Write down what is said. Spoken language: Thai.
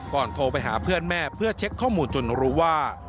โทรไปหาเพื่อนแม่เพื่อเช็คข้อมูลจนรู้ว่า